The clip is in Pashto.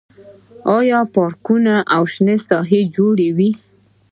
آیا پارکونه او شنه ساحې جوړوي؟